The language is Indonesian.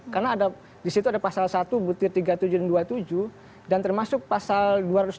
karena ada di situ ada pasal satu butir tiga ribu tujuh ratus dua puluh tujuh dan termasuk pasal dua ratus delapan puluh